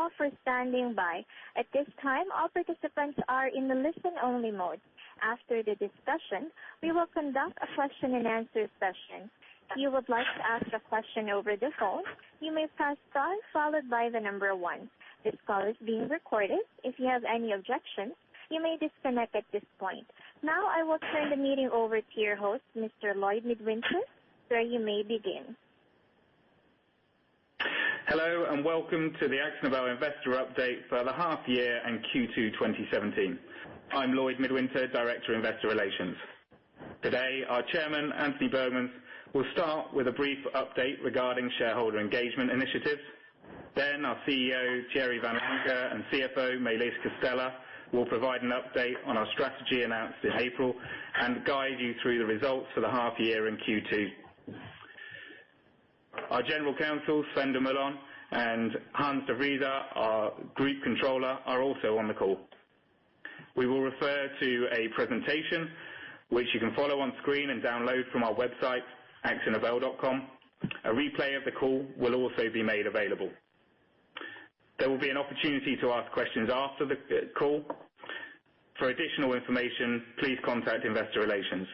Welcome. Thank you all for standing by. At this time, all participants are in the listen-only mode. After the discussion, we will conduct a question and answer session. If you would like to ask a question over the phone, you may press star followed by 1. This call is being recorded. If you have any objections, you may disconnect at this point. I will turn the meeting over to your host, Mr. Lloyd Midwinter. Sir, you may begin. Hello. Welcome to the AkzoNobel investor update for the half year and Q2 2017. I'm Lloyd Midwinter, Director, Investor Relations. Today, our Chairman, Antony Burgmans, will start with a brief update regarding shareholder engagement initiatives. Our CEO, Thierry Vanlancker, and CFO, Maëlys Castella, will provide an update on our strategy announced in April and guide you through the results for the half year in Q2. Our General Counsel, Sven Dumoulin, and Hans De Vriese, our Group Controller, are also on the call. We will refer to a presentation which you can follow on screen and download from our website, akzonobel.com. A replay of the call will also be made available. There will be an opportunity to ask questions after the call. For additional information, please contact Investor Relations.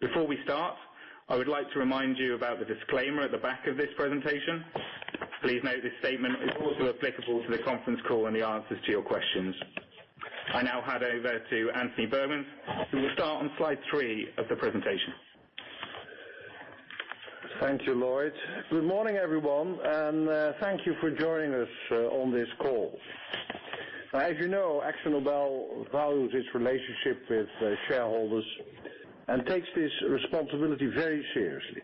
Before we start, I would like to remind you about the disclaimer at the back of this presentation. Please note this statement is also applicable to the conference call and the answers to your questions. I hand over to Antony Burgmans, who will start on slide three of the presentation. Thank you, Lloyd. Good morning, everyone. Thank you for joining us on this call. As you know, AkzoNobel values its relationship with shareholders and takes this responsibility very seriously.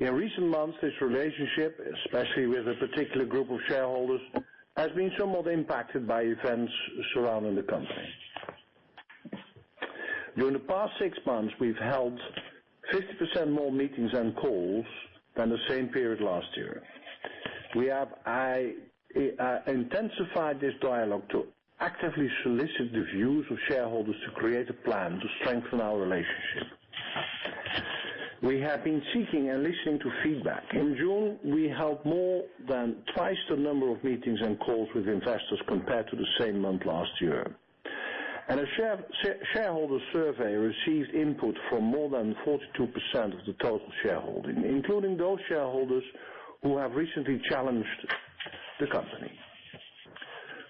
In recent months, this relationship, especially with a particular group of shareholders, has been somewhat impacted by events surrounding the company. During the past 6 months, we've held 50% more meetings and calls than the same period last year. We have intensified this dialogue to actively solicit the views of shareholders to create a plan to strengthen our relationship. We have been seeking and listening to feedback. In June, we held more than twice the number of meetings and calls with investors compared to the same month last year. A shareholder survey received input from more than 42% of the total shareholding, including those shareholders who have recently challenged the company.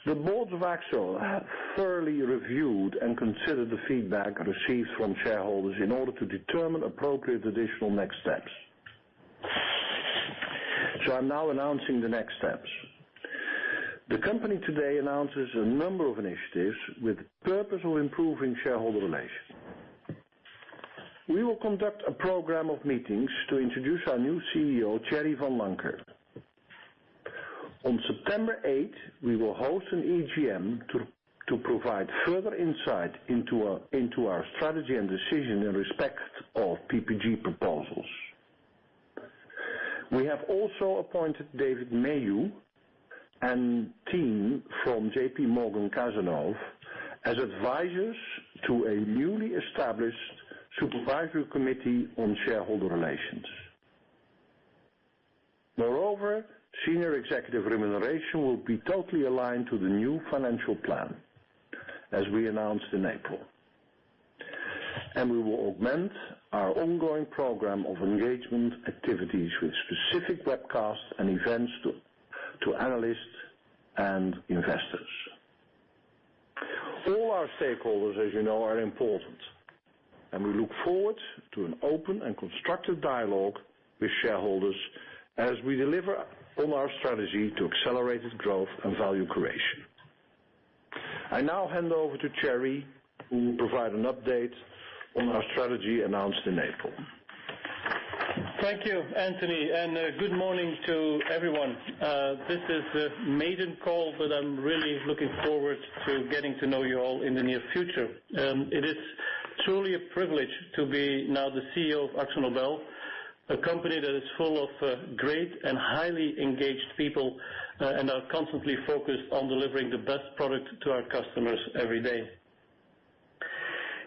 The board of AkzoNobel have thoroughly reviewed and considered the feedback received from shareholders in order to determine appropriate additional next steps. I'm now announcing the next steps. The company today announces a number of initiatives with the purpose of improving shareholder relations. We will conduct a program of meetings to introduce our new CEO, Thierry Vanlancker. On September 8th, we will host an EGM to provide further insight into our strategy and decision in respect of PPG proposals. We have also appointed David Mayhew and team from J.P. Morgan Cazenove as advisors to a newly established supervisory committee on shareholder relations. Moreover, senior executive remuneration will be totally aligned to the new financial plan as we announced in April. We will augment our ongoing program of engagement activities with specific webcasts and events to analysts and investors. All our stakeholders, as you know, are important, and we look forward to an open and constructive dialogue with shareholders as we deliver on our strategy to accelerated growth and value creation. I now hand over to Thierry, who will provide an update on our strategy announced in April. Thank you, Antony, and good morning to everyone. This is a maiden call, but I'm really looking forward to getting to know you all in the near future. It is truly a privilege to be now the CEO of AkzoNobel, a company that is full of great and highly engaged people, and are constantly focused on delivering the best product to our customers every day.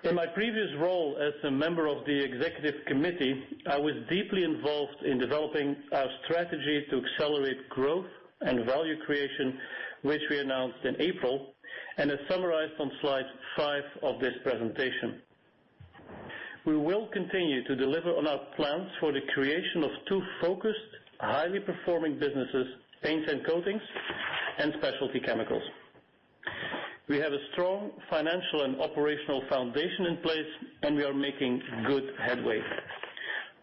In my previous role as a member of the Executive Committee, I was deeply involved in developing our strategy to accelerate growth and value creation, which we announced in April and is summarized on slide five of this presentation. We will continue to deliver on our plans for the creation of two focused, highly performing businesses, Paints & Coatings, and Specialty Chemicals. We have a strong financial and operational foundation in place, and we are making good headway.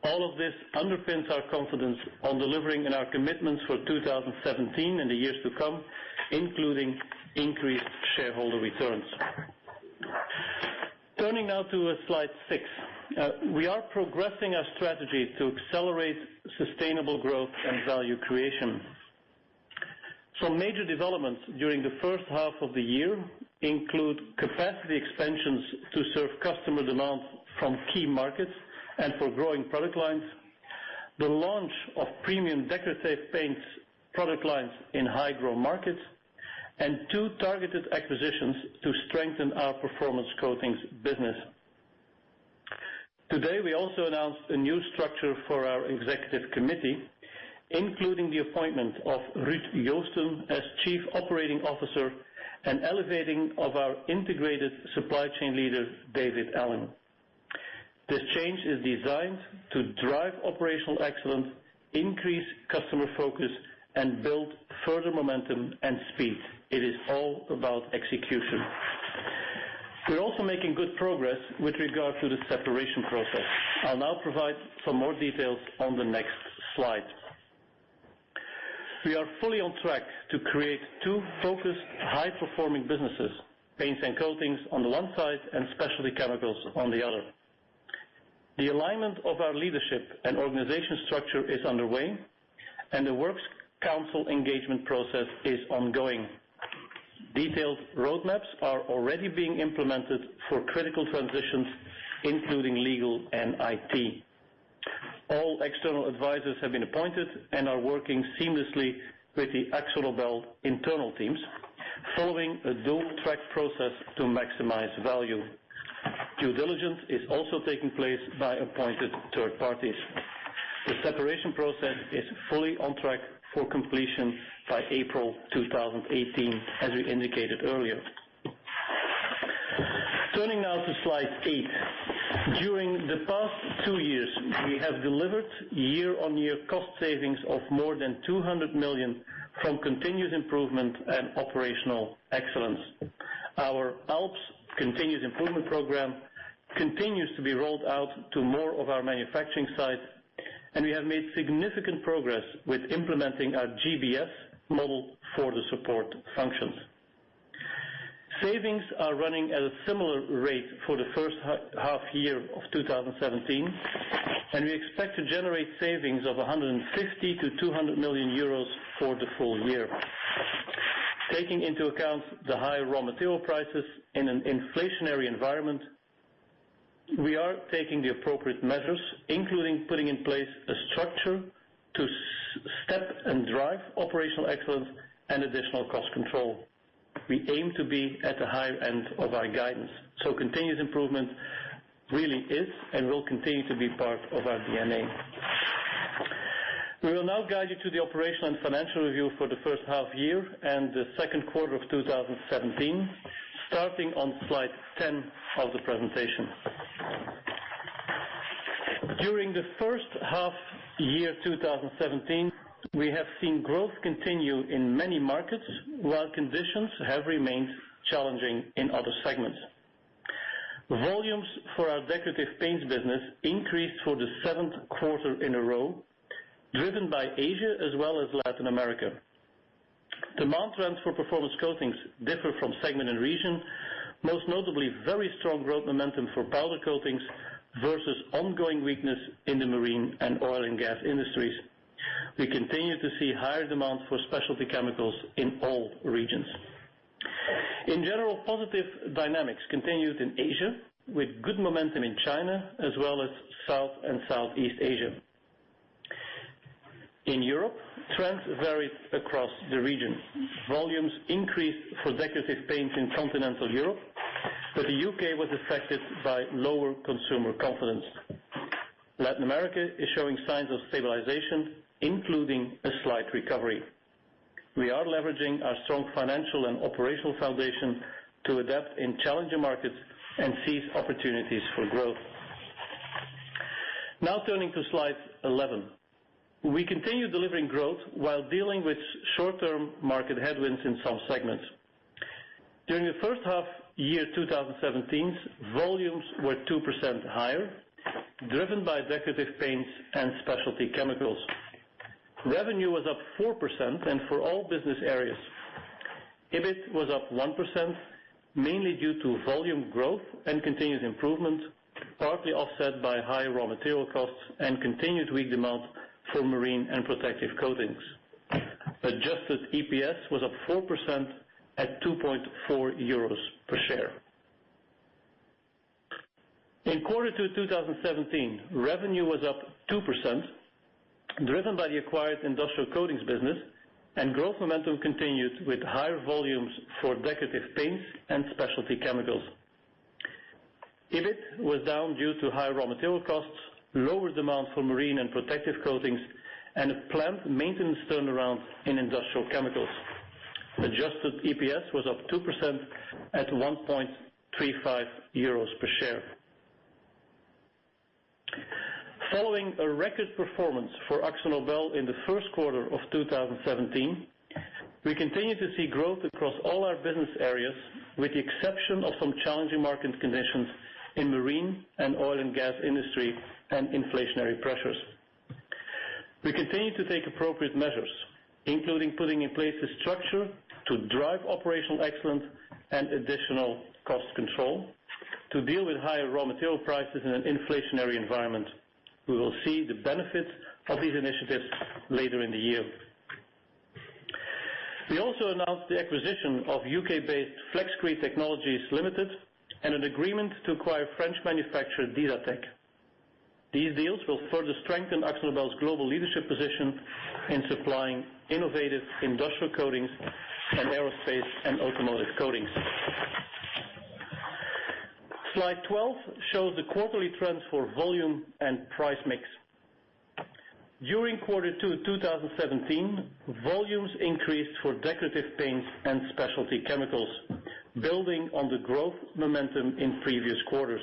All of this underpins our confidence on delivering in our commitments for 2017 and the years to come, including increased shareholder returns. Turning now to slide six. We are progressing our strategy to accelerate sustainable growth and value creation. Some major developments during the first half of the year include capacity expansions to serve customer demands from key markets and for growing product lines. The launch of premium Decorative Paints product lines in high-growth markets, and two targeted acquisitions to strengthen our Performance Coatings business. Today, we also announced a new structure for our Executive Committee, including the appointment of Ruud Joosten as Chief Operating Officer and elevating of our integrated supply chain leader, David Allen. This change is designed to drive operational excellence, increase customer focus, and build further momentum and speed. It is all about execution. We're also making good progress with regard to the separation process. I'll now provide some more details on the next slide. We are fully on track to create two focused, high-performing businesses, paints and coatings on the one side, and Specialty Chemicals on the other. The alignment of our leadership and organization structure is underway, and the works council engagement process is ongoing. Detailed roadmaps are already being implemented for critical transitions, including legal and IT. All external advisors have been appointed and are working seamlessly with the AkzoNobel internal teams, following a dual-track process to maximize value. Due diligence is also taking place by appointed third parties. The separation process is fully on track for completion by April 2018, as we indicated earlier. Turning now to slide eight. During the past two years, we have delivered year-on-year cost savings of more than 200 million from continuous improvement and operational excellence. Our ALPS continuous improvement program continues to be rolled out to more of our manufacturing sites, and we have made significant progress with implementing our GBS model for the support functions. Savings are running at a similar rate for the first half year of 2017, and we expect to generate savings of 150 million-200 million euros for the full year. Taking into account the high raw material prices in an inflationary environment, we are taking the appropriate measures, including putting in place a structure to step and drive operational excellence and additional cost control. We aim to be at the high end of our guidance. Continuous improvement really is and will continue to be part of our DNA. We will now guide you to the operational and financial review for the first half year and the second quarter of 2017, starting on slide 10 of the presentation. During the first half year 2017, we have seen growth continue in many markets, while conditions have remained challenging in other segments. Volumes for our Decorative Paints business increased for the seventh quarter in a row, driven by Asia as well as Latin America. Demand trends for Performance Coatings differ from segment and region, most notably very strong growth momentum for Powder Coatings versus ongoing weakness in the marine and oil and gas industries. We continue to see higher demand for Specialty Chemicals in all regions. In general, positive dynamics continued in Asia, with good momentum in China as well as South and Southeast Asia. In Europe, trends varied across the region. Volumes increased for Decorative Paints in continental Europe, but the U.K. was affected by lower consumer confidence. Latin America is showing signs of stabilization, including a slight recovery. We are leveraging our strong financial and operational foundation to adapt in challenging markets and seize opportunities for growth. Turning to slide 11. We continue delivering growth while dealing with short-term market headwinds in some segments. During the first half year 2017, volumes were 2% higher, driven by Decorative Paints and Specialty Chemicals. Revenue was up 4%, and for all business areas. EBIT was up 1%, mainly due to volume growth and continuous improvement, partly offset by high raw material costs and continued weak demand for Marine and Protective Coatings. Adjusted EPS was up 4% at 2.4 euros per share. In Q2 2017, revenue was up 2%, driven by the acquired industrial coatings business, and growth momentum continued with higher volumes for Decorative Paints and Specialty Chemicals. EBIT was down due to high raw material costs, lower demand for Marine and Protective Coatings, and a planned maintenance turnaround in Specialty Chemicals. Adjusted EPS was up 2% at 1.35 euros per share. Following a record performance for AkzoNobel in the first quarter of 2017, we continue to see growth across all our business areas, with the exception of some challenging market conditions in marine and oil and gas industry and inflationary pressures. We continue to take appropriate measures, including putting in place a structure to drive operational excellence and additional cost control to deal with higher raw material prices in an inflationary environment. We will see the benefits of these initiatives later in the year. We also announced the acquisition of U.K.-based Flexcrete Technologies Limited and an agreement to acquire French manufacturer Disatech. These deals will further strengthen AkzoNobel's global leadership position in supplying innovative industrial coatings and aerospace and automotive coatings. Slide 12 shows the quarterly trends for volume and price mix. During quarter two 2017, volumes increased for Decorative Paints and Specialty Chemicals, building on the growth momentum in previous quarters.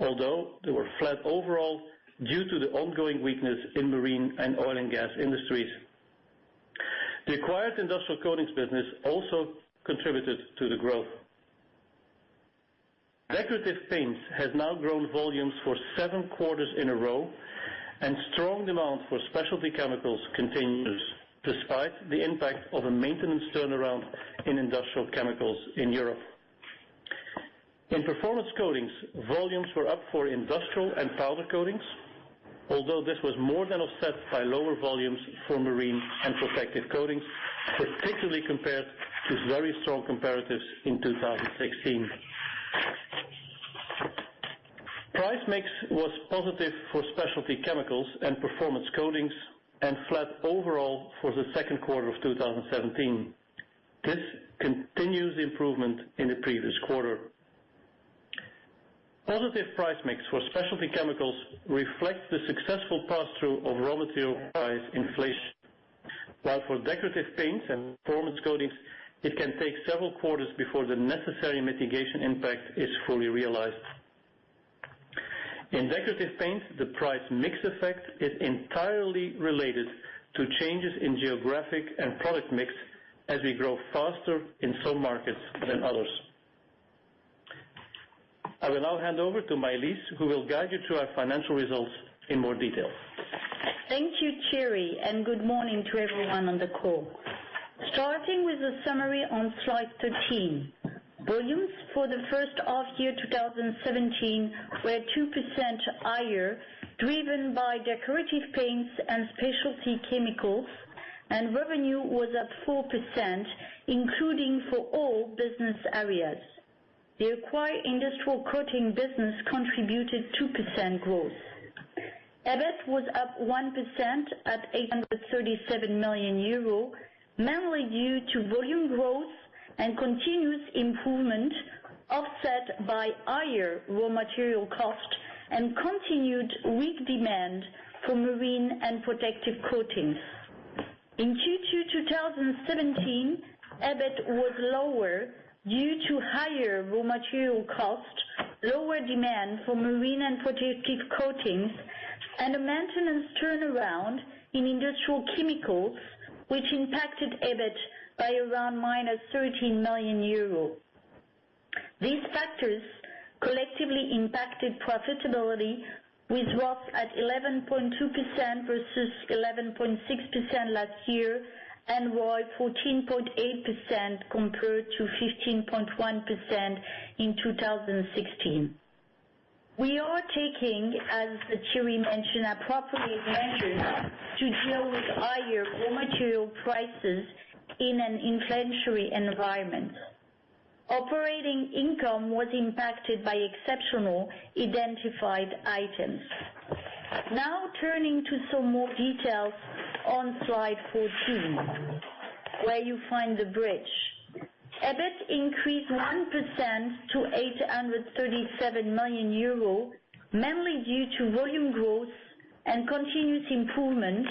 Although they were flat overall, due to the ongoing weakness in marine and oil and gas industries. The acquired industrial coatings business also contributed to the growth. Decorative Paints has now grown volumes for seven quarters in a row, and strong demand for Specialty Chemicals continues despite the impact of a maintenance turnaround in Industrial Chemicals in Europe. In Performance Coatings, volumes were up for industrial and Powder Coatings. Although this was more than offset by lower volumes for Marine and Protective Coatings, particularly compared to very strong comparatives in 2016. Price mix was positive for Specialty Chemicals and Performance Coatings, and flat overall for the second quarter of 2017. This continues the improvement in the previous quarter. Positive price mix for Specialty Chemicals reflects the successful pass-through of raw material price inflation. While for Decorative Paints and Performance Coatings, it can take several quarters before the necessary mitigation impact is fully realized. In Decorative Paints, the price mix effect is entirely related to changes in geographic and product mix, as we grow faster in some markets than others. I will now hand over to Maëlys, who will guide you through our financial results in more detail. Thank you, Thierry, and good morning to everyone on the call. Starting with a summary on slide 13. Volumes for the first half year 2017 were 2% higher, driven by Decorative Paints and Specialty Chemicals, and revenue was up 4%, including for all business areas. The acquired industrial coatings business contributed 2% growth. EBIT was up 1% at 837 million euro, mainly due to volume growth and continuous improvement, offset by higher raw material cost and continued weak demand for Marine and Protective Coatings. In Q2 2017, EBIT was lower due to higher raw material cost, lower demand for Marine and Protective Coatings, and a maintenance turnaround in Industrial Chemicals, which impacted EBIT by around minus 13 million euro. These factors collectively impacted profitability with ROS at 11.2% versus 11.6% last year, and ROI 14.8% compared to 15.1% in 2016. We are taking, as Thierry mentioned, appropriate measures to deal with higher raw material prices in an inflationary environment. Operating income was impacted by exceptional identified items. Turning to some more details on slide 14, where you find the bridge. EBIT increased 1% to 837 million euro, mainly due to volume growth and continuous improvement,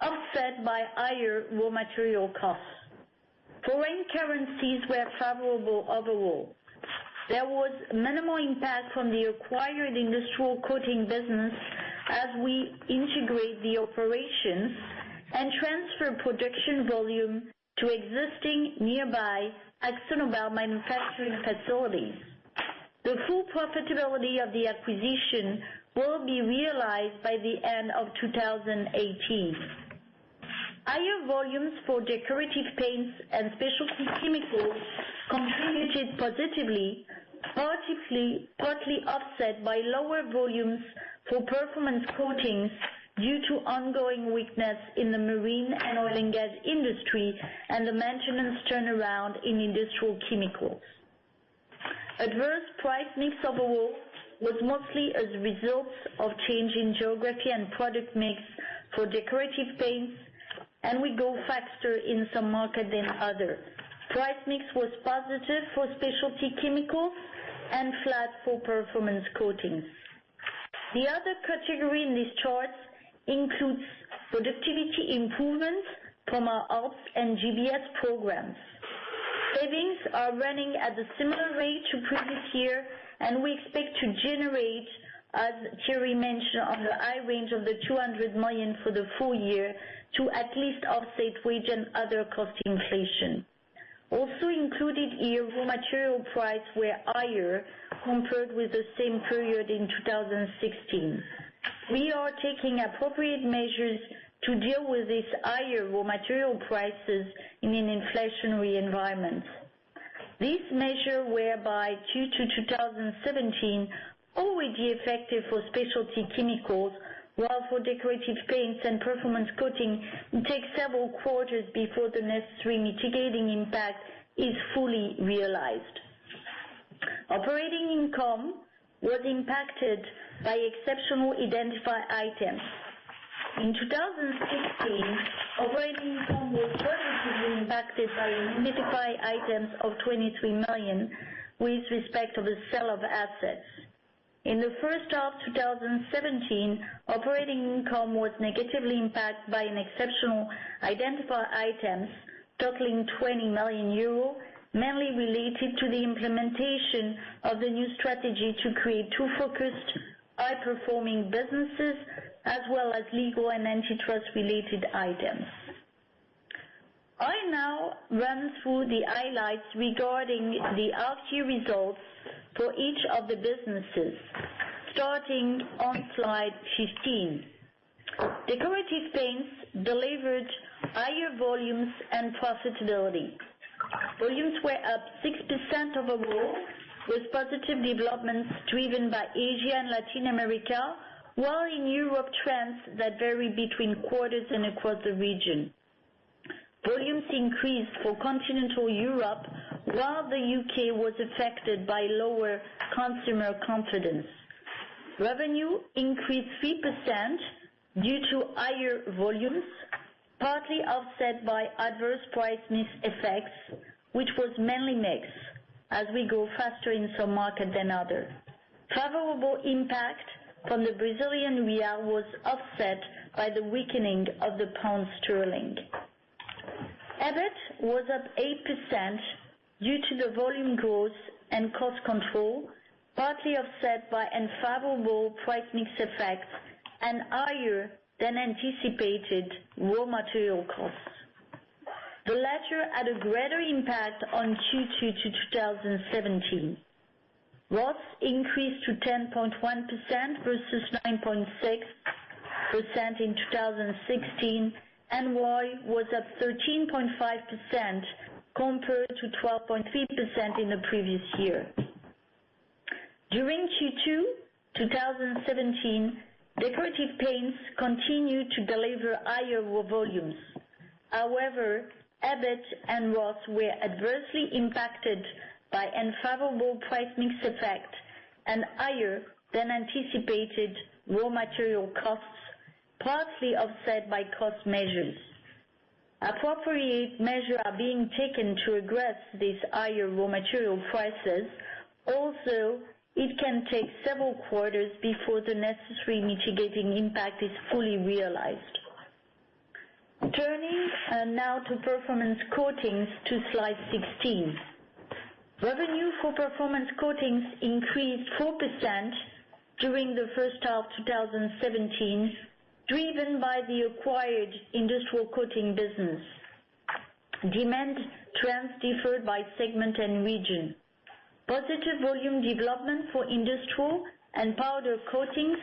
offset by higher raw material costs. Foreign currencies were favorable overall. There was minimal impact from the acquired industrial coatings business as we integrate the operations and transfer production volume to existing nearby AkzoNobel manufacturing facilities. The full profitability of the acquisition will be realized by the end of 2018. Higher volumes for Decorative Paints and Specialty Chemicals contributed positively, partly offset by lower volumes for Performance Coatings due to ongoing weakness in the marine and oil and gas industry, and the maintenance turnaround in Industrial Chemicals. Adverse price mix overall was mostly as a result of change in geography and product mix for Decorative Paints. We go faster in some markets than others. Price mix was positive for Specialty Chemicals and flat for Performance Coatings. The other category in this chart includes productivity improvements from our ops and GBS programs. Savings are running at a similar rate to previous year, and we expect to generate, as Thierry mentioned, on the high range of the 200 million for the full year, to at least offset wage and other cost inflation. Included here, raw material price were higher compared with the same period in 2016. We are taking appropriate measures to deal with these higher raw material prices in an inflationary environment. This measure whereby Q2 2017 already effective for Specialty Chemicals, while for Decorative Paints and Performance Coatings, it takes several quarters before the necessary mitigating impact is fully realized. Operating income was impacted by exceptional identified items. In 2016, operating income was positively impacted by identified items of 23 million, with respect to the sale of assets. In the first half of 2017, operating income was negatively impacted by an exceptional identified items totaling 20 million euro, mainly related to the implementation of the new strategy to create two focused, high-performing businesses, as well as legal and antitrust related items. I now run through the highlights regarding the half year results for each of the businesses, starting on slide 15. Decorative Paints delivered higher volumes and profitability. Volumes were up 6% overall, with positive developments driven by Asia and Latin America, while in Europe trends that vary between quarters and across the region. Volumes increased for continental Europe, while the U.K. was affected by lower consumer confidence. Revenue increased 3% due to higher volumes, partly offset by adverse price mix effects, which was mainly mixed, as we go faster in some markets than others. Favorable impact from the Brazilian real was offset by the weakening of the pound sterling. EBIT was up 8% due to the volume growth and cost control, partly offset by unfavorable price mix effects and higher than anticipated raw material costs. The latter had a greater impact on Q2 2017. ROS increased to 10.1% versus 9.6% in 2016, and ROI was up 13.5% compared to 12.3% in the previous year. During Q2 2017, Decorative Paints continued to deliver higher raw volumes. However, EBIT and ROS were adversely impacted by unfavorable price mix effect and higher than anticipated raw material costs, partly offset by cost measures. Appropriate measures are being taken to address these higher raw material prices. It can take several quarters before the necessary mitigating impact is fully realized. Turning now to Performance Coatings to slide 16. Revenue for Performance Coatings increased 4% during the first half 2017, driven by the acquired industrial coatings business. Demand trends differed by segment and region. Positive volume development for industrial and Powder Coatings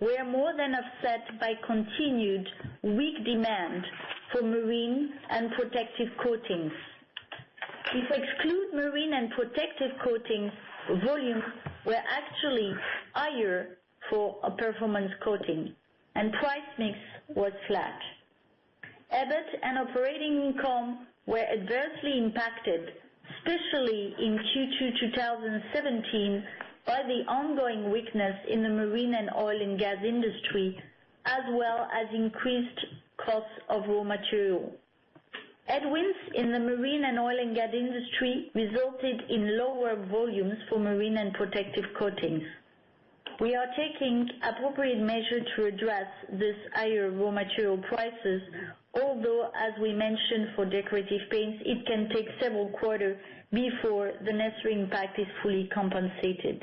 were more than offset by continued weak demand for Marine and Protective Coatings. If exclude Marine and Protective Coatings, volumes were actually higher for a Performance Coatings, and price mix was flat. EBIT and operating income were adversely impacted, especially in Q2 2017, by the ongoing weakness in the marine and oil and gas industry, as well as increased costs of raw material. Headwinds in the marine and oil and gas industry resulted in lower volumes for Marine and Protective Coatings. We are taking appropriate measures to address this higher raw material prices, although, as we mentioned for Decorative Paints, it can take several quarters before the necessary impact is fully compensated.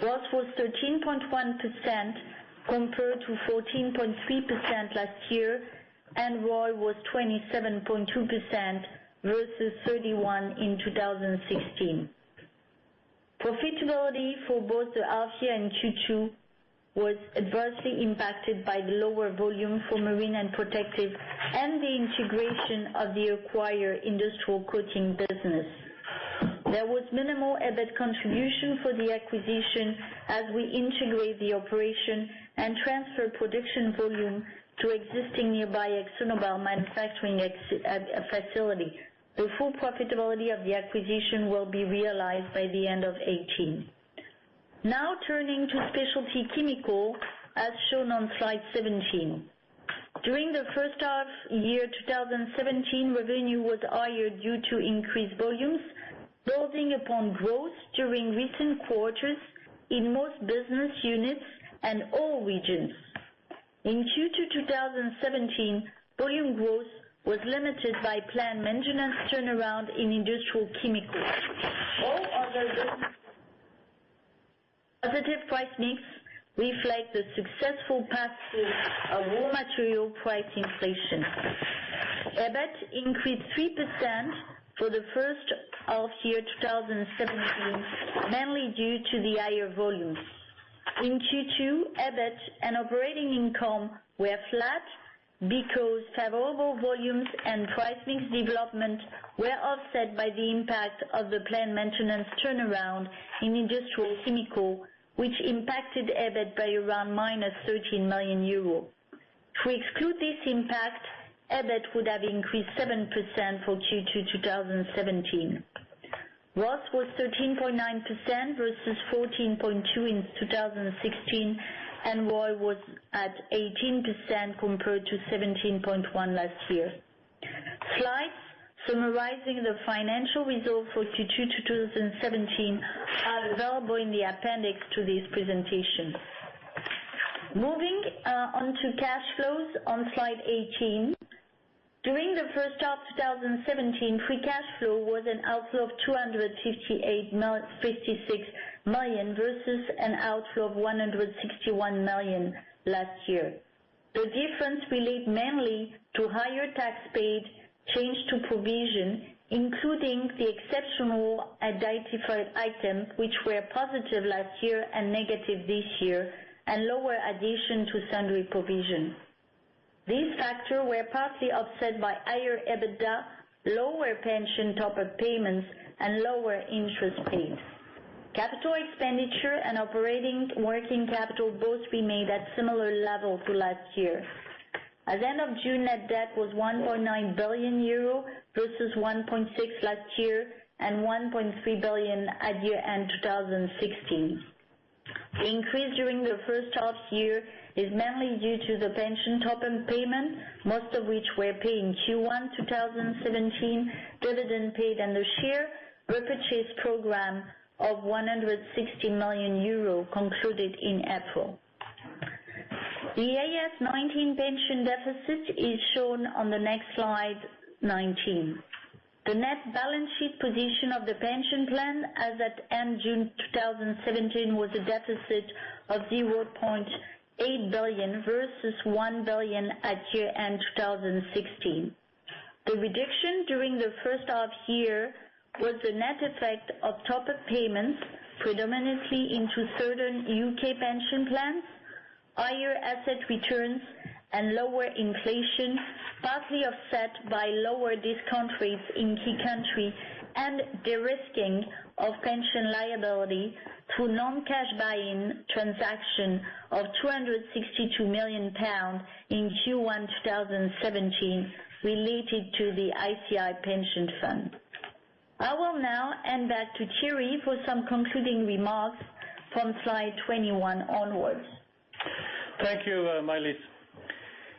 ROS was 13.1% compared to 14.3% last year, and ROI was 27.2% versus 31% in 2016. Profitability for both the half year and Q2 was adversely impacted by the lower volume for Marine and Protective Coatings and the integration of the acquired industrial coatings business. There was minimal EBIT contribution for the acquisition as we integrate the operation and transfer production volume to existing nearby AkzoNobel manufacturing facility. The full profitability of the acquisition will be realized by the end of 2018. Turning to Specialty Chemicals, as shown on slide 17. During the first half year 2017, revenue was higher due to increased volumes, building upon growth during recent quarters in most business units and all regions. In Q2 2017, volume growth was limited by planned maintenance turnaround in Industrial Chemicals. All other positive price mix reflect the successful pass-through of raw material price inflation. EBIT increased 3% for the first half year 2017, mainly due to the higher volumes. In Q2, EBIT and operating income were flat because favorable volumes and pricing development were offset by the impact of the plant maintenance turnaround in Industrial Chemicals, which impacted EBIT by around -13 million euro. To exclude this impact, EBIT would have increased 7% for Q2 2017. ROS was 13.9% versus 14.2% in 2016, and ROI was at 18% compared to 17.1% last year. Slides summarizing the financial results for Q2 2017 are available in the appendix to this presentation. Moving on to cash flows on slide 18. During the first half 2017, free cash flow was an outflow of 256 million versus an outflow of 161 million last year. The difference relate mainly to higher tax paid, change to provision, including the exceptional identified items, which were positive last year and negative this year, and lower addition to sundry provision. These factor were partly offset by higher EBITDA, lower pension top-up payments, and lower interest paid. Capital expenditure and operating working capital both remained at similar level to last year. At the end of June, net debt was 1.9 billion euro versus 1.6 billion last year and 1.3 billion at year-end 2016. The increase during the first half year is mainly due to the pension top-up payment, most of which were paid in Q1 2017, dividend paid, and the share repurchase program of 160 million euro concluded in April. The IAS 19 pension deficit is shown on the next slide, 19. The net balance sheet position of the pension plan as at end June 2017 was a deficit of 0.8 billion, versus 1 billion at year-end 2016. The reduction during the first half year was the net effect of top-up payments, predominantly into certain U.K. pension plans, higher asset returns and lower inflation, partly offset by lower discount rates in key countries and de-risking of pension liability through non-cash buy-in transaction of 262 million pounds in Q1 2017 related to the ICI pension fund. I will now hand back to Thierry for some concluding remarks from slide 21 onwards. Thank you, Maëlys.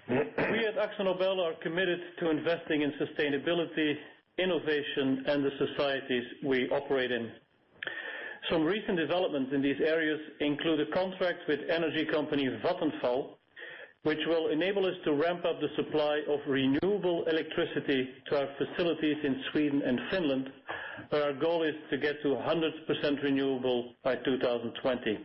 We at AkzoNobel are committed to investing in sustainability, innovation, and the societies we operate in. Some recent developments in these areas include a contract with energy company Vattenfall, which will enable us to ramp up the supply of renewable electricity to our facilities in Sweden and Finland, where our goal is to get to 100% renewable by 2020.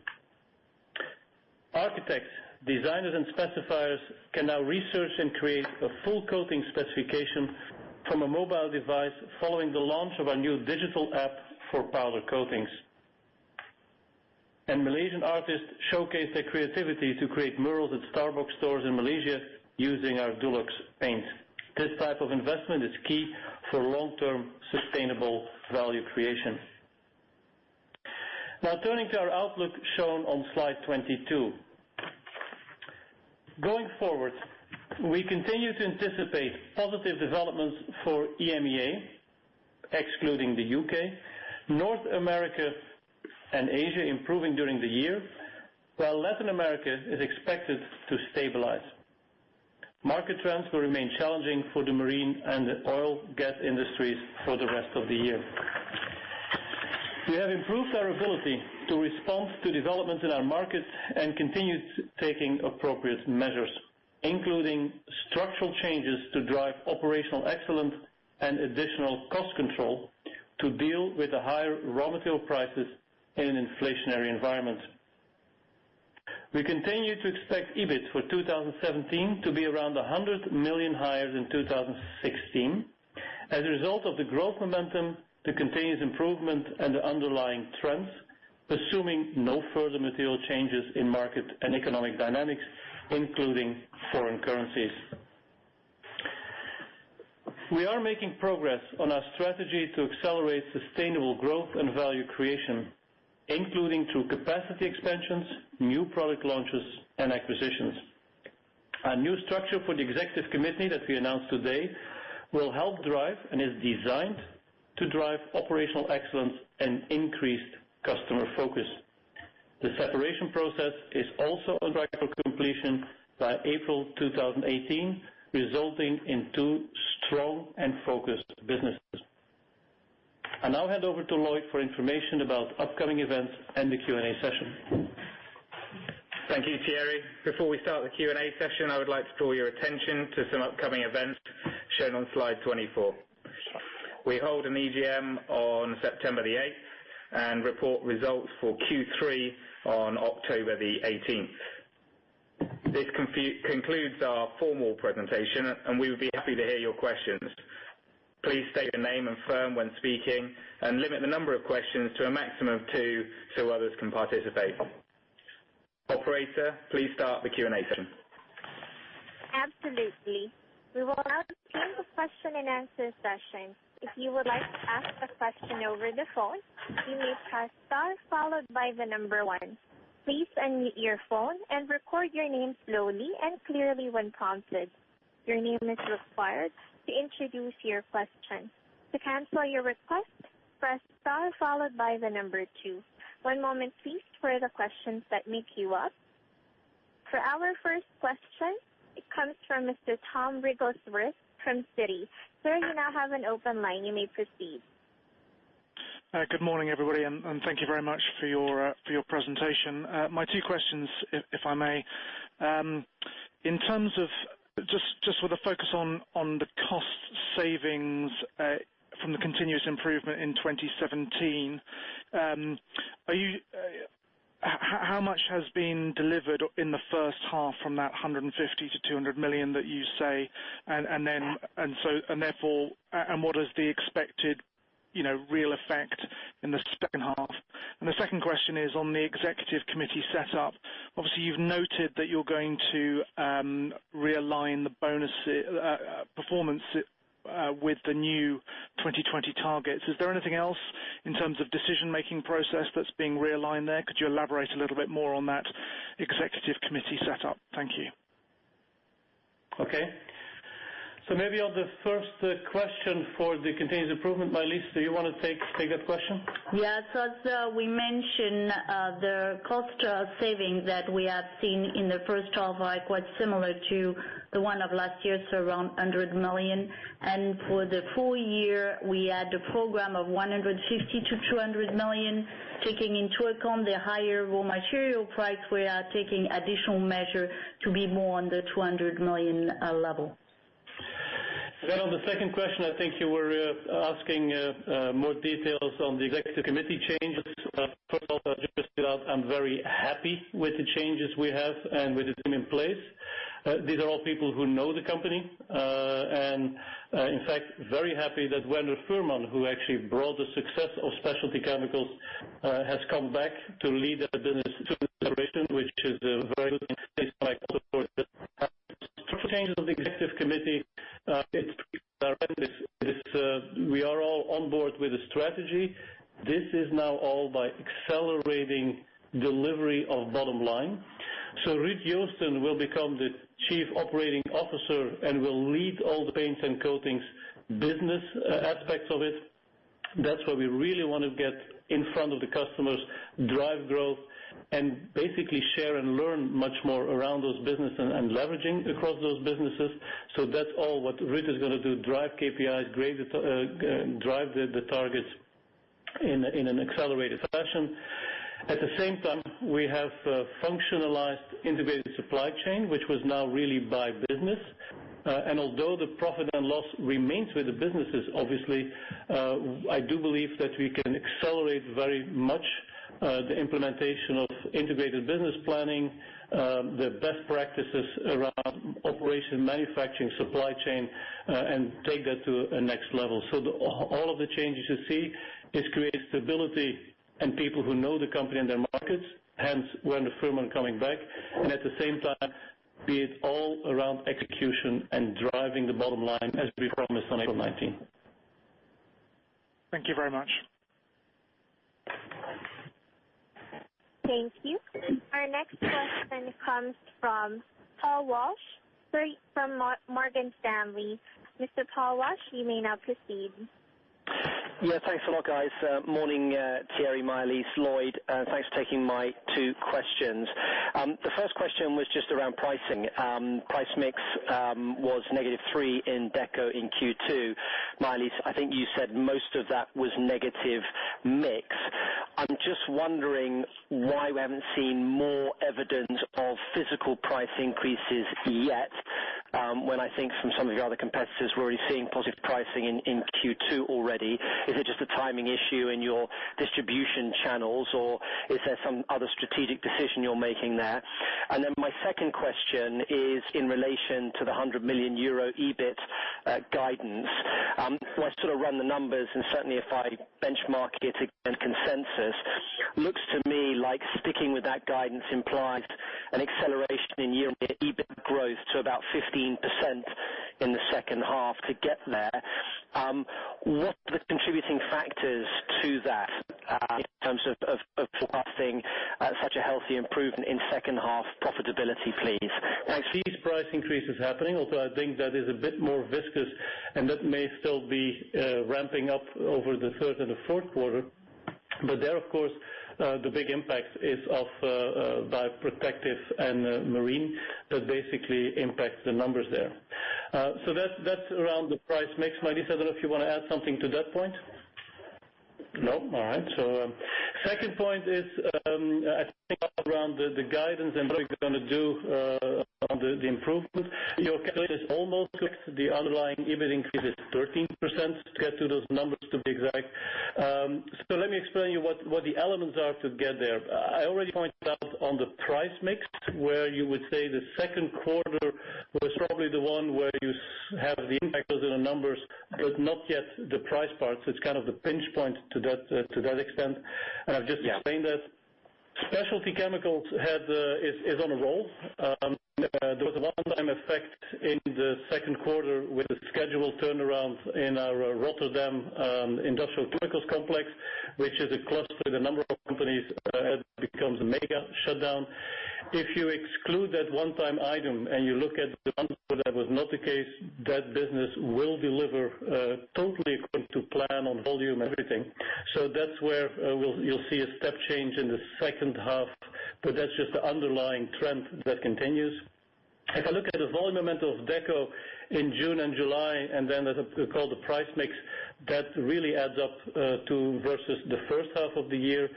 Architects, designers, and specifiers can now research and create a full coating specification from a mobile device following the launch of our new digital app for Powder Coatings. Malaysian artists showcased their creativity to create murals at Starbucks stores in Malaysia using our Dulux paints. This type of investment is key for long-term sustainable value creation. Now turning to our outlook shown on slide 22. Going forward, we continue to anticipate positive developments for EMEA, excluding the U.K., North America and Asia improving during the year, while Latin America is expected to stabilize. Market trends will remain challenging for the marine and oil and gas industries for the rest of the year. We have improved our ability to respond to developments in our markets and continue taking appropriate measures, including structural changes to drive operational excellence and additional cost control to deal with the higher raw material prices in an inflationary environment. We continue to expect EBIT for 2017 to be around 100 million higher than 2016 as a result of the growth momentum, the continuous improvement, and the underlying trends, assuming no further material changes in market and economic dynamics, including foreign currencies. We are making progress on our strategy to accelerate sustainable growth and value creation, including through capacity expansions, new product launches, and acquisitions. Our new structure for the Executive Committee that we announced today will help drive and is designed to drive operational excellence and increased customer focus. The separation process is also on track for completion by April 2018, resulting in two strong and focused businesses. I now hand over to Lloyd for information about upcoming events and the Q&A session. Thank you, Thierry. Before we start the Q&A session, I would like to draw your attention to some upcoming events shown on slide 24. We hold an EGM on September the 8th and report results for Q3 on October the 18th. This concludes our formal presentation, and we would be happy to hear your questions. Please state your name and firm when speaking, and limit the number of questions to a maximum of two so others can participate. Operator, please start the Q&A session. Absolutely. We will now begin the question and answer session. If you would like to ask a question over the phone, you may press star followed by the number 1. Please unmute your phone and record your name slowly and clearly when prompted. Your name is required to introduce your question. To cancel your request, press star followed by the number 2. One moment please for the questions that queue up. For our first question, it comes from Mr. Thomas Wrigglesworth from Citi. Sir, you now have an open line. You may proceed. Good morning, everybody, and thank you very much for your presentation. My two questions, if I may. In terms of, just with a focus on the cost savings from the continuous improvement in 2017, how much has been delivered in the first half from that 150 million to 200 million that you say? What is the expected real effect in the second half? The second question is on the Executive Committee setup. Obviously, you've noted that you're going to realign the performance with the new 2020 targets. Is there anything else in terms of decision-making process that's being realigned there? Could you elaborate a little bit more on that Executive Committee setup? Thank you. Okay. Maybe on the first question for the continuous improvement, Maëlys, do you want to take that question? Yeah. As we mentioned, the cost savings that we have seen in the first half are quite similar to the one of last year, around 100 million. For the full year, we had a program of 150 million-200 million. Taking into account the higher raw material price, we are taking additional measures to be more on the 200 million level. On the second question, I think you were asking more details on the Executive Committee changes. First of all, just to start, I'm very happy with the changes we have and with the team in place. These are all people who know the company. In fact, very happy that Werner Fuhrmann, who actually brought the success of Specialty Chemicals, has come back to lead that business transformation, which is a very good thing support. For changes of the Executive Committee, we are all on board with the strategy. This is now all by accelerating delivery of bottom line. Ruud Joosten will become the Chief Operating Officer and will lead all the paints and coatings business aspects of it. That's where we really want to get in front of the customers, drive growth, and basically share and learn much more around those business and leveraging across those businesses. That's all what Ruud is going to do, drive KPIs, drive the targets in an accelerated fashion. At the same time, we have functionalized integrated supply chain, which was now really by business. Although the profit and loss remains with the businesses, obviously, I do believe that we can accelerate very much the implementation of Integrated Business Planning, the best practices around operations manufacturing, supply chain, and take that to a next level. All of the changes you see is creating stability and people who know the company and their markets, hence Werner Fuhrmann coming back, and at the same time, be it all around execution and driving the bottom line as we promised on April 19th. Thank you very much. Thank you. Our next question comes from Paul Walsh from Morgan Stanley. Mr. Paul Walsh, you may now proceed. Yeah, thanks a lot, guys. Morning, Thierry, Maëlys, Lloyd. Thanks for taking my two questions. The first question was just around pricing. Price mix was negative three in Deco in Q2. Maëlys, I think you said most of that was negative mix. I'm just wondering why we haven't seen more evidence of physical price increases yet, when I think from some of your other competitors, we're already seeing positive pricing in Q2 already. Is it just a timing issue in your distribution channels, or is there some other strategic decision you're making there? My second question is in relation to the 100 million euro EBIT guidance. I sort of run the numbers, and certainly if I benchmark it against consensus, looks to me like sticking with that guidance implies an acceleration in year EBIT growth to about 15% in the second half to get there. What are the contributing factors to that in terms of trusting such a healthy improvement in second half profitability, please? I see these price increases happening, although I think that is a bit more viscous, and that may still be ramping up over the third and the fourth quarter. There, of course, the big impact is of Protective and Marine that basically impacts the numbers there. That's around the price mix. Maëlys, I don't know if you want to add something to that point. No. All right. Second point is, I think around the guidance and what we're going to do on the improvement. Your calculation is almost correct. The underlying EBIT increase is 13% to get to those numbers, to be exact. Let me explain to you what the elements are to get there. I already pointed out on the price mix, where you would say the second quarter was probably the one where you have the impact of the numbers, but not yet the price part. It's kind of the pinch point to that extent. I've just explained that. Specialty Chemicals is on a roll. There was a one-time effect in the second quarter with the scheduled turnaround in our Rotterdam Industrial Chemicals complex, which is a cluster. The number of companies becomes a mega shutdown. If you exclude that one-time item and you look at the ones where that was not the case, that business will deliver totally according to plan on volume, everything. That's where you'll see a step change in the second half, but that's just the underlying trend that continues. If I look at the volume element of Deco in June and July, and then as we call the price mix, that really adds up to versus the first half of the year.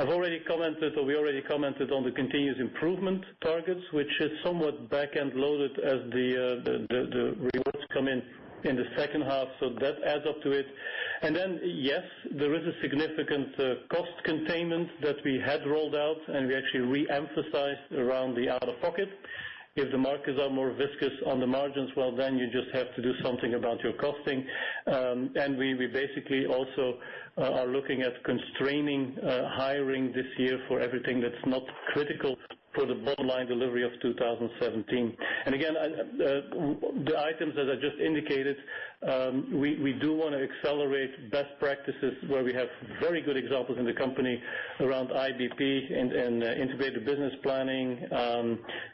I've already commented, or we already commented on the continuous improvement targets, which is somewhat back-end loaded as the rewards come in the second half. That adds up to it. Then, yes, there is a significant cost containment that we had rolled out, and we actually re-emphasized around the out-of-pocket. If the markets are more viscous on the margins, well, then you just have to do something about your costing. We basically also are looking at constraining hiring this year for everything that's not critical for the bottom line delivery of 2017. Again, the items that I just indicated, we do want to accelerate best practices where we have very good examples in the company around IBP and integrated business planning,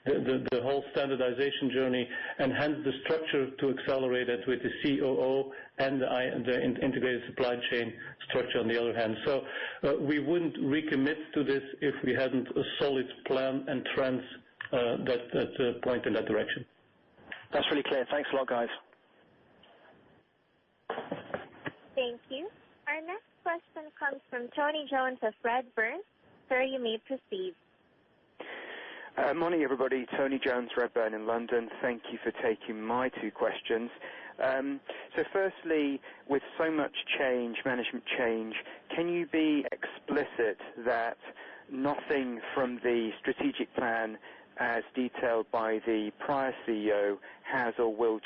the whole standardization journey, and hence the structure to accelerate it with the COO and the integrated supply chain structure on the other hand. We wouldn't recommit to this if we hadn't a solid plan and trends that point in that direction. That's really clear. Thanks a lot, guys. Thank you. Our next question comes from Tony Jones of Redburn. Sir, you may proceed. Morning, everybody. Tony Jones, Redburn in London. Thank you for taking my two questions. Firstly, with so much management change, can you be explicit that nothing from the strategic plan as detailed by the prior CEO has or will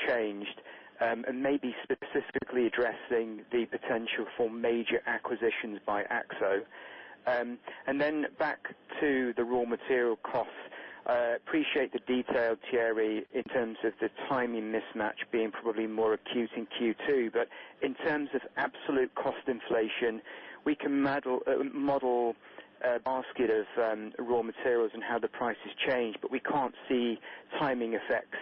change? Maybe specifically addressing the potential for major acquisitions by Akzo. Back to the raw material cost. I appreciate the detail, Thierry, in terms of the timing mismatch being probably more acute in Q2. In terms of absolute cost inflation, we can model a basket of raw materials and how the prices change, but we can't see timing effects,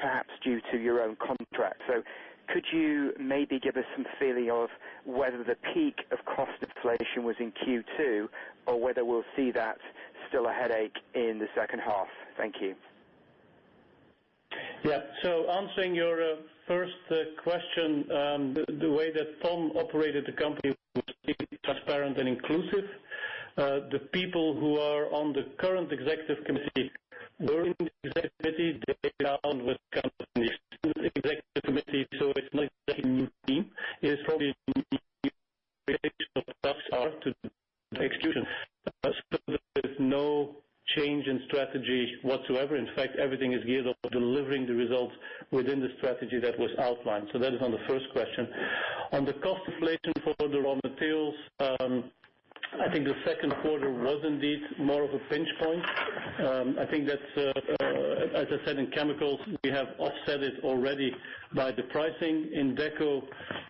perhaps due to your own contract. Could you maybe give us some feeling of whether the peak of cost inflation was in Q2 or whether we'll see that still a headache in the second half? Thank you. Yeah. Answering your first question, the way that Tom operated the company was transparent and inclusive. The people who are on the current Executive Committee were in the Executive Committee. It's not a new team. It's from the execution. There is no change in strategy whatsoever. In fact, everything is geared up for delivering the results within the strategy that was outlined. That is on the first question. On the cost inflation for the raw materials, I think the second quarter was indeed more of a pinch point. I think that, as I said in chemicals, we have offset it already by the pricing. In Deco,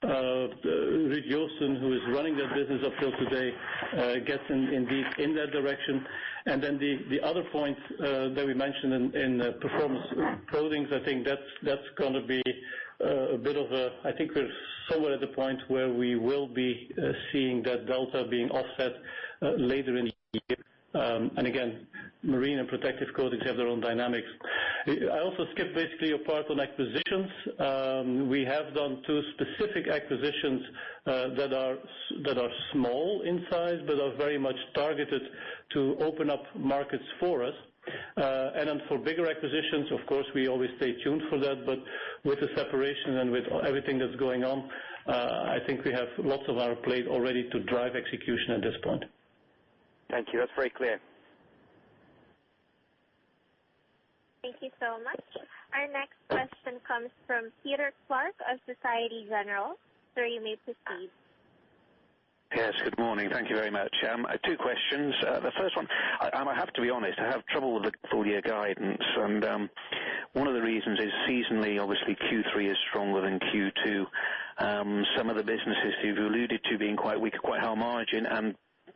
Ruud Joosten, who is running that business up till today, gets indeed in that direction. The other point that we mentioned in Performance Coatings, I think that's going to be a bit of a, I think we're somewhere at the point where we will be seeing that delta being offset later in the year. Again, Marine and Protective Coatings have their own dynamics. I also skipped basically a part on acquisitions. We have done two specific acquisitions that are small in size, but are very much targeted to open up markets for us. For bigger acquisitions, of course, we always stay tuned for that, but with the separation and with everything that's going on, I think we have lots on our plate already to drive execution at this point. Thank you. That's very clear. Thank you so much. Our next question comes from Peter Clark of Societe Generale. Sir, you may proceed. Yes. Good morning. Thank you very much. Two questions. The first one, I have to be honest, I have trouble with the full year guidance, and one of the reasons is seasonally, obviously Q3 is stronger than Q2. Some of the businesses you've alluded to being quite weak are quite high margin and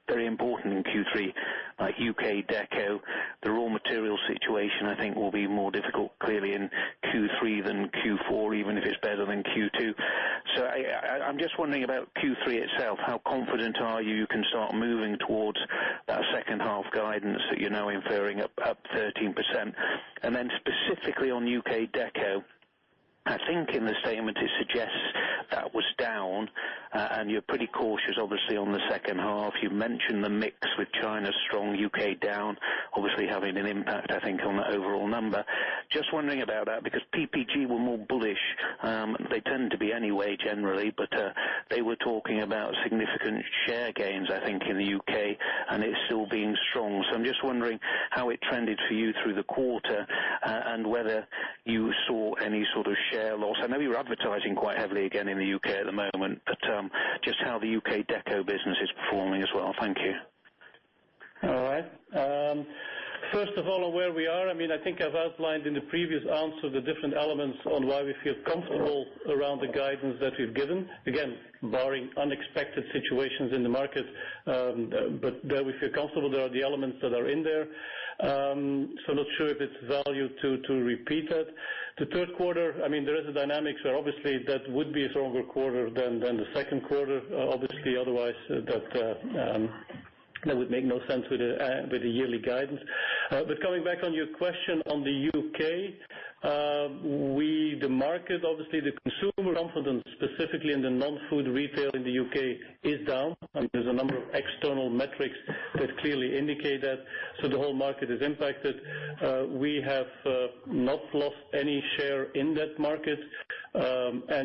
very important in Q3, like U.K. Deco. The raw material situation, I think, will be more difficult, clearly, in Q3 than Q4, even if it's better than Q2. I'm just wondering about Q3 itself. How confident are you you can start moving towards Guidance that you're now inferring up 13%. Specifically on U.K. Deco, I think in the statement it suggests that was down, and you're pretty cautious, obviously, on the second half. You mentioned the mix with China strong, U.K. down, obviously having an impact, I think, on the overall number. Just wondering about that because PPG were more bullish. They tend to be anyway, generally, but they were talking about significant share gains, I think, in the U.K., and it still being strong. I'm just wondering how it trended for you through the quarter, and whether you saw any sort of share loss. I know you're advertising quite heavily again in the U.K. at the moment, just how the U.K. Deco business is performing as well. Thank you. All right. First of all, on where we are, I think I've outlined in the previous answer the different elements on why we feel comfortable around the guidance that we've given. Again, barring unexpected situations in the market, but there we feel comfortable there are the elements that are in there. Not sure if it's value to repeat that. The third quarter, there is a dynamic, obviously that would be a stronger quarter than the second quarter, obviously. Otherwise, that would make no sense with the yearly guidance. Coming back on your question on the U.K., the market, obviously, the consumer confidence, specifically in the non-food retail in the U.K. is down. There's a number of external metrics that clearly indicate that. The whole market is impacted. We have not lost any share in that market.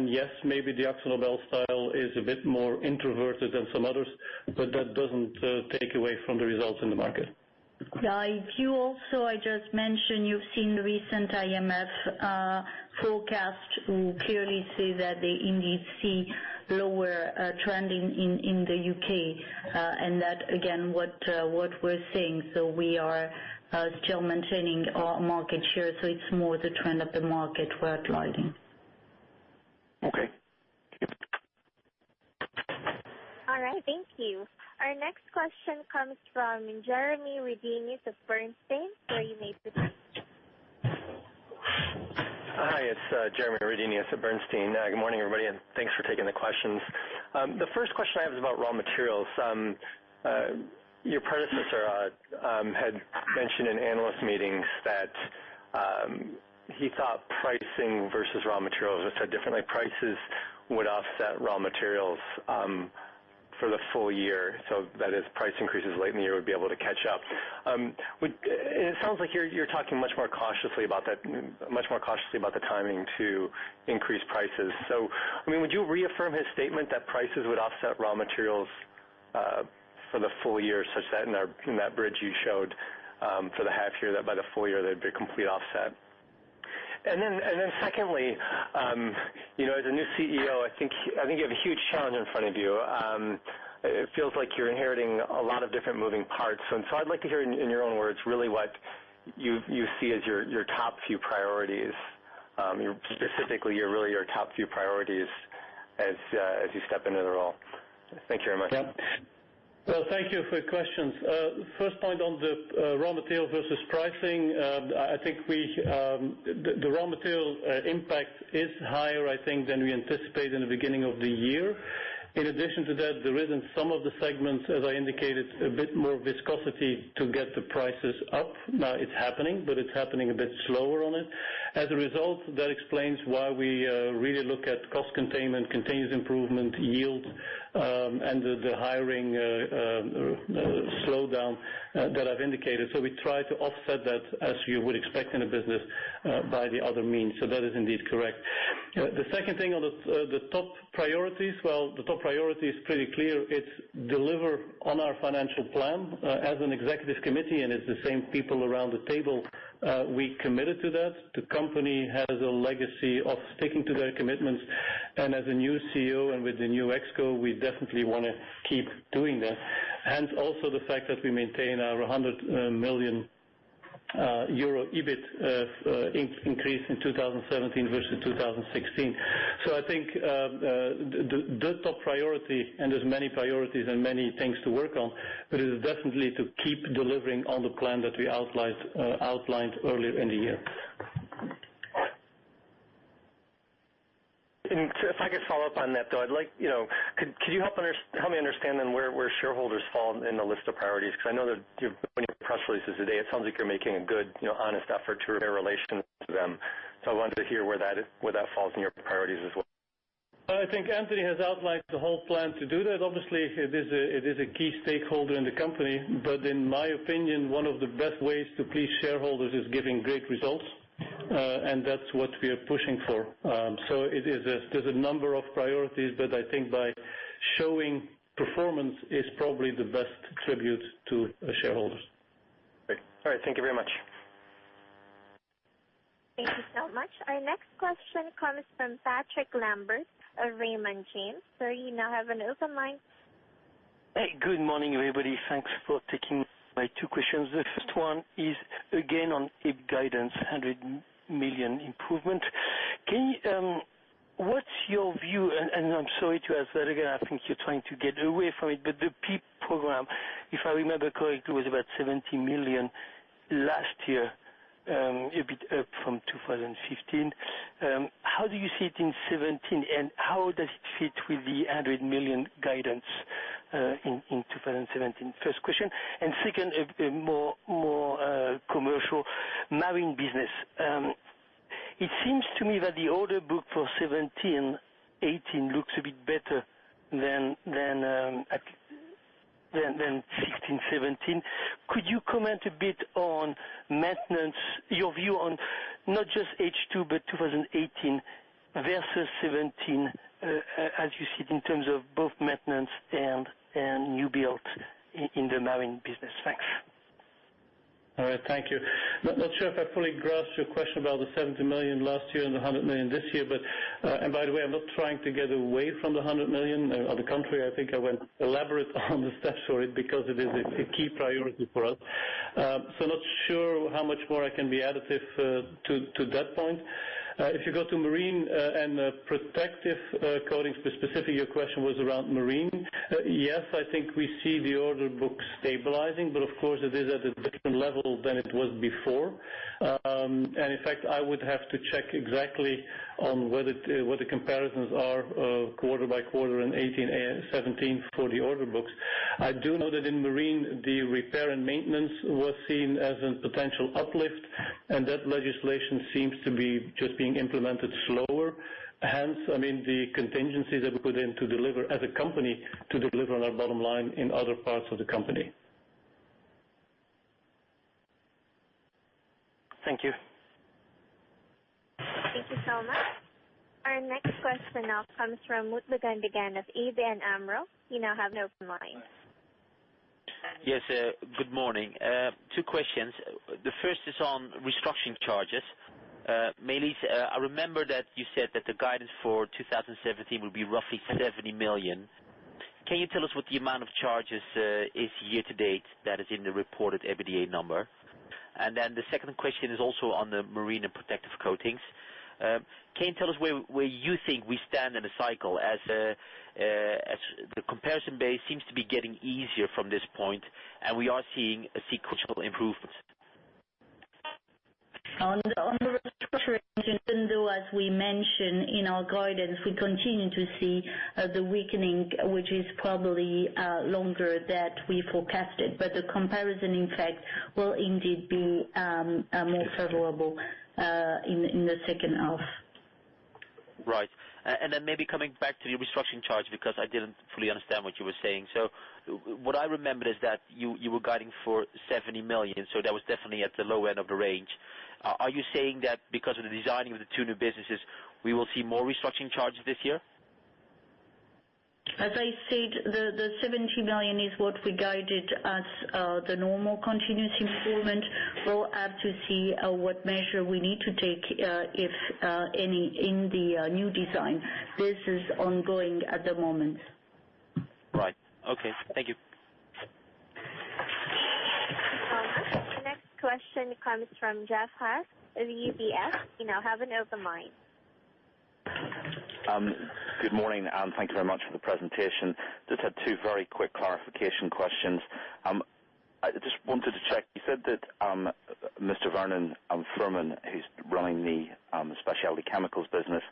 Yes, maybe the AkzoNobel style is a bit more introverted than some others, that doesn't take away from the results in the market. If you also, I just mentioned, you've seen the recent IMF forecast, who clearly say that they indeed see lower trending in the U.K. That again, what we're seeing. We are still maintaining our market share. It's more the trend of the market we're outlining. Okay. Thank you. All right. Thank you. Our next question comes from Jeremy Redenius of Bernstein. Sir, you may proceed. Hi, it's Jeremy Redenius at Bernstein. Good morning, everybody, and thanks for taking the questions. The first question I have is about raw materials. Your predecessor had mentioned in analyst meetings that he thought pricing versus raw materials was so different, like prices would offset raw materials for the full year, so that his price increases late in the year would be able to catch up. Would you reaffirm his statement that prices would offset raw materials for the full year, such that in that bridge you showed for the half year, that by the full year, there'd be a complete offset? Secondly, as a new CEO, I think you have a huge challenge in front of you. It feels like you're inheriting a lot of different moving parts. I'd like to hear in your own words, really what you see as your top few priorities. Specifically, really your top few priorities as you step into the role. Thank you very much. Well, thank you for your questions. First point on the raw material versus pricing. I think the raw material impact is higher, I think, than we anticipated in the beginning of the year. In addition to that, there is in some of the segments, as I indicated, a bit more viscosity to get the prices up. Now it's happening, but it's happening a bit slower on it. As a result, that explains why we really look at cost containment, continuous improvement, yield, and the hiring slowdown that I've indicated. We try to offset that, as you would expect in a business, by the other means. That is indeed correct. The second thing on the top priorities. Well, the top priority is pretty clear. It's deliver on our financial plan as an Executive Committee, and it's the same people around the table. We committed to that. The company has a legacy of sticking to their commitments. As a new CEO and with the new ExCo, we definitely want to keep doing that. Also the fact that we maintain our 100 million euro EBIT increase in 2017 versus 2016. I think the top priority, and there's many priorities and many things to work on, it is definitely to keep delivering on the plan that we outlined earlier in the year. If I could follow up on that, though, could you help me understand then where shareholders fall in the list of priorities? Because I know that in your press releases today, it sounds like you're making a good, honest effort to repair relations with them. I wanted to hear where that falls in your priorities as well. I think Antony has outlined the whole plan to do that. Obviously, it is a key stakeholder in the company. In my opinion, one of the best ways to please shareholders is giving great results, that's what we are pushing for. There's a number of priorities, I think by showing performance is probably the best tribute to the shareholders. Great. All right. Thank you very much. Thank you so much. Our next question comes from Patrick Lambert of Raymond James. Sir, you now have an open line. Hey, good morning, everybody. Thanks for taking my two questions. The first one is again on EBIT guidance, 100 million improvement. What's your view, and I'm sorry to ask that again, I think you're trying to get away from it. The PIP program, if I remember correctly, was about 70 million last year. A bit up from 2015. How do you see it in 2017? How does it fit with the 100 million guidance in 2017? First question. Second, a more commercial marine business. It seems to me that the order book for 2017-2018 looks a bit better than 2016-2017. Could you comment a bit on your view on not just H2, but 2018 versus 2017, as you see it in terms of both maintenance and new builds in the marine business? Thanks. All right. Thank you. Not sure if I fully grasped your question about the 70 million last year and 100 million this year. By the way, I'm not trying to get away from the 100 million. On the contrary, I think I went elaborate on the steps for it because it is a key priority for us. Not sure how much more I can be additive to that point. If you go to Marine and Protective Coatings, specifically, your question was around marine. Yes, I think we see the order book stabilizing, but of course, it is at a different level than it was before. In fact, I would have to check exactly on what the comparisons are quarter by quarter in 2018 and 2017 for the order books. I do know that in marine, the repair and maintenance was seen as a potential uplift, and that legislation seems to be just being implemented slower. Hence, the contingencies that we put in to deliver as a company, to deliver on our bottom line in other parts of the company. Thank you. Thank you so much. Our next question now comes from Mutlu Gundogan of ABN AMRO. You now have an open line. Yes. Good morning. Two questions. The first is on restructuring charges. Maëlys, I remember that you said that the guidance for 2017 will be roughly 70 million. Can you tell us what the amount of charges is year to date that is in the reported EBITDA number? The second question is also on the Marine and Protective Coatings. Can you tell us where you think we stand in the cycle as the comparison base seems to be getting easier from this point, and we are seeing a sequential improvement. On the restructuring, Mutlu, as we mentioned in our guidance, we continue to see the weakening, which is probably longer that we forecasted, but the comparison, in fact, will indeed be more favorable in the second half. Right. Maybe coming back to the restructuring charge, because I didn't fully understand what you were saying. What I remembered is that you were guiding for 70 million, so that was definitely at the low end of the range. Are you saying that because of the designing of the two new businesses, we will see more restructuring charges this year? As I said, the 70 million is what we guided as the normal continuous improvement. We'll have to see what measure we need to take, if any, in the new design. This is ongoing at the moment. Right. Okay. Thank you. Thank you very much. The next question comes from Jeff Harte of UBS. You now have an open line. Good morning. Thank you very much for the presentation. Just had two very quick clarification questions. I just wanted to check, you said that Mr. Werner Fuhrmann, who is running the Specialty Chemicals business,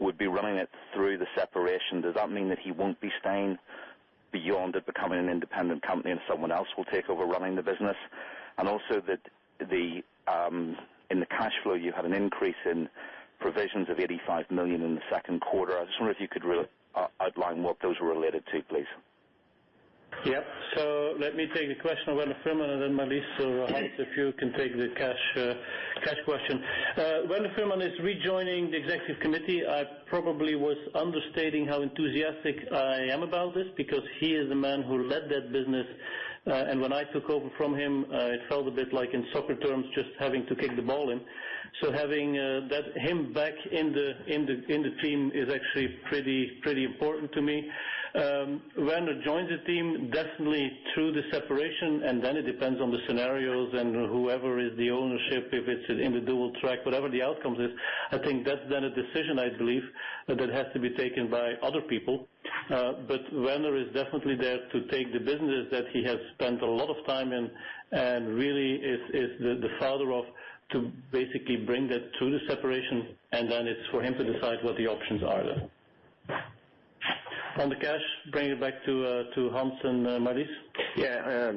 would be running it through the separation. Does that mean that he won't be staying beyond it becoming an independent company and someone else will take over running the business? Also, in the cash flow, you had an increase in provisions of 85 million in the second quarter. I just wonder if you could outline what those were related to, please. Let me take the question of Werner Fuhrmann, then Maëlys or Hans, if you can take the cash question. Werner Fuhrmann is rejoining the Executive Committee. I probably was understating how enthusiastic I am about this because he is the man who led that business. When I took over from him, it felt a bit like in soccer terms, just having to kick the ball in. Having him back in the team is actually pretty important to me. Werner joins the team definitely through the separation. It depends on the scenarios and whoever is the ownership, if it's in the dual track, whatever the outcomes is. I think that's then a decision I believe that has to be taken by other people. Werner is definitely there to take the businesses that he has spent a lot of time in and really is the father of, to basically bring that to the separation, and then it's for him to decide what the options are then. On the cash, bring it back to Hans and Maëlys.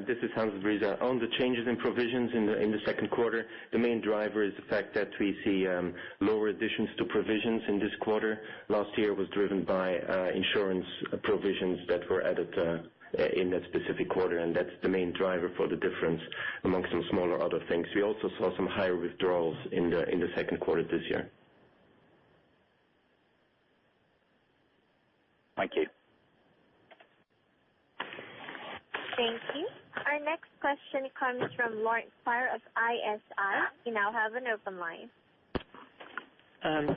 This is Hans De Vriese. On the changes in provisions in the second quarter, the main driver is the fact that we see lower additions to provisions in this quarter. Last year was driven by insurance provisions that were added in that specific quarter, and that's the main driver for the difference amongst some smaller other things. We also saw some higher withdrawals in the second quarter this year. Thank you. Thank you. Our next question comes from Laurent Favre of ISI. You now have an open line.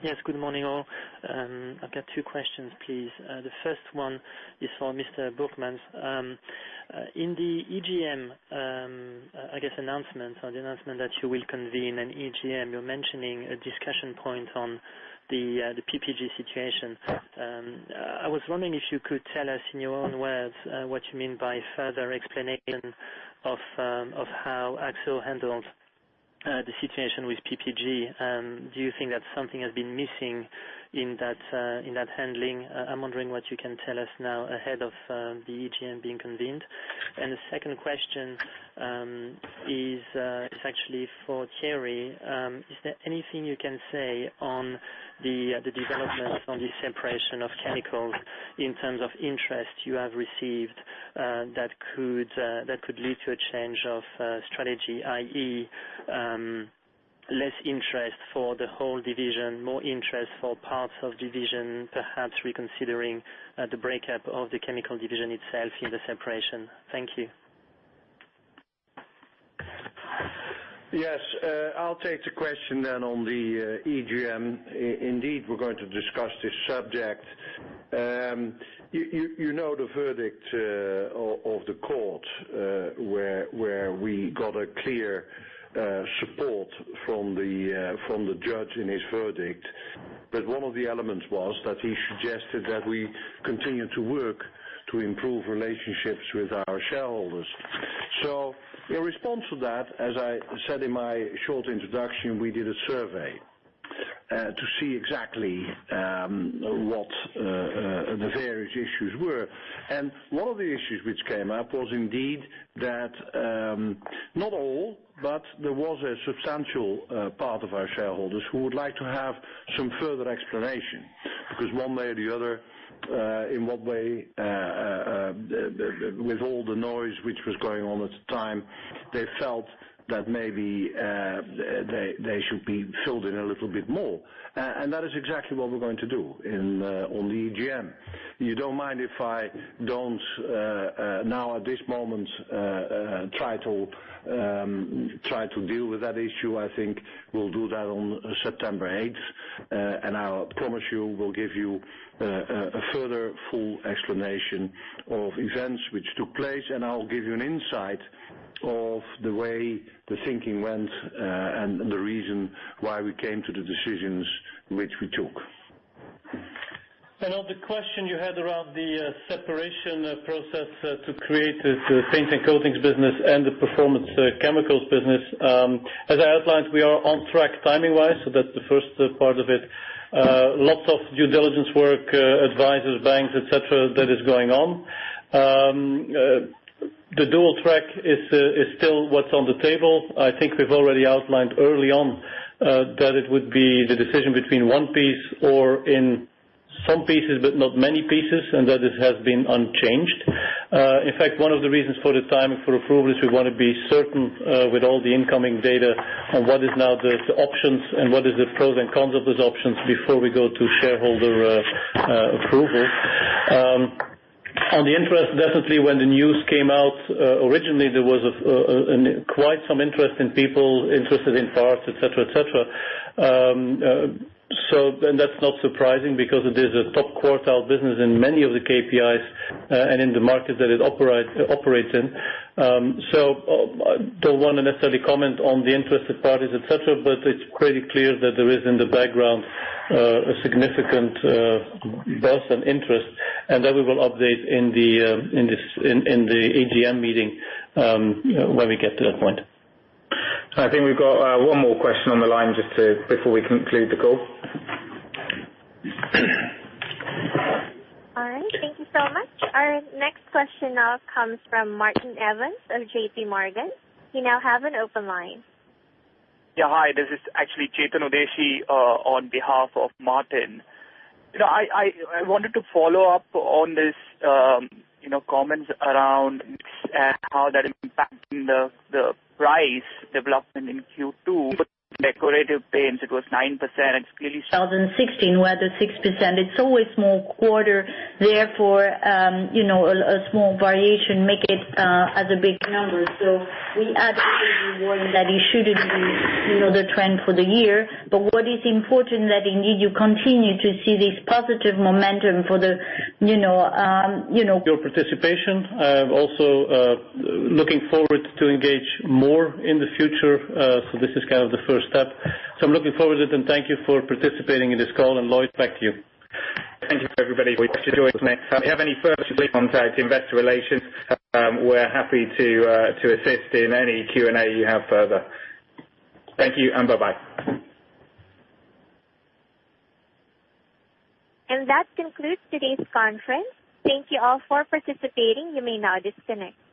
Yes. Good morning, all. I've got two questions, please. The first one is for Mr. Burgmans. In the EGM, I guess announcement or the announcement that you will convene an EGM, you're mentioning a discussion point on the PPG situation. I was wondering if you could tell us in your own words what you mean by further explanation of how Akzo handled the situation with PPG. Do you think that something has been missing in that handling? I'm wondering what you can tell us now ahead of the EGM being convened. The second question is actually for Thierry. Is there anything you can say on the development on the separation of chemicals in terms of interest you have received that could lead to a change of strategy, i.e., less interest for the whole division, more interest for parts of division, perhaps reconsidering the breakup of the chemical division itself in the separation? Thank you. Yes. I'll take the question then on the EGM. Indeed, we're going to discuss this subject. You know the verdict of the court, where we got a clear support from the judge in his verdict. One of the elements was that he suggested that we continue to work to improve relationships with our shareholders. In response to that, as I said in my short introduction, we did a survey to see exactly what the various issues were. One of the issues which came up was indeed that, not all, but there was a substantial part of our shareholders who would like to have some further explanation. Because one way or the other, in what way, with all the noise which was going on at the time, they felt that maybe they should be filled in a little bit more. That is exactly what we're going to do on the EGM. You don't mind if I don't now, at this moment, try to deal with that issue. I think we'll do that on September 8th. I promise you, we'll give you a further full explanation of events which took place, and I'll give you an insight of the way the thinking went and the reason why we came to the decisions which we took. On the question you had around the separation process to create this Paints & Coatings business and the Specialty Chemicals business. As I outlined, we are on track timing-wise. That's the first part of it. Lots of due diligence work, advisors, banks, et cetera, that is going on. The dual track is still what's on the table. We've already outlined early on that it would be the decision between one piece or in some pieces, but not many pieces, and that it has been unchanged. In fact, one of the reasons for the timing for approval is we want to be certain with all the incoming data on what is now the options and what is the pros and cons of those options before we go to shareholder approval. On the interest, definitely when the news came out, originally, there was quite some interest in people interested in parts, et cetera. That's not surprising because it is a top quartile business in many of the KPIs and in the market that it operates in. Don't want to necessarily comment on the interested parties, et cetera, but it's pretty clear that there is in the background a significant burst of interest, and that we will update in the EGM meeting when we get to that point. We've got one more question on the line just before we conclude the call. All right. Thank you so much. Our next question now comes from Martin Evans of JPMorgan. You now have an open line. Yeah. Hi, this is actually Chetan Udeshi on behalf of Martin Evans. I wanted to follow up on these comments around how that is impacting the price development in Q2. Decorative Paints, it was 9%. 2016 was the 6%. It's always more quarter, therefore, a small variation makes it a big number. We had the one that it shouldn't be the trend for the year. What is important that indeed you continue to see this positive momentum. Your participation. I am also looking forward to engage more in the future. This is kind of the first step. I'm looking forward to it, and thank you for participating in this call. Lloyd, back to you. Thank you, everybody, for joining us. If you have any further questions, contact investor relations. We're happy to assist in any Q&A you have further. Thank you, and bye-bye. That concludes today's conference. Thank you all for participating. You may now disconnect.